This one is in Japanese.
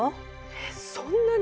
えっそんなに！？